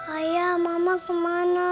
ayah mama kemana